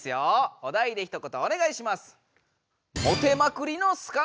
お題でひと言おねがいします！